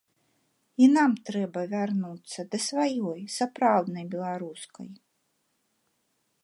І нам трэба вярнуцца да сваёй, сапраўднай беларускай.